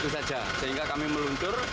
itu saja sehingga kami meluncur